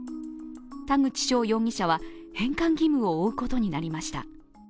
田口翔容疑者は返還義務を負うことになりました。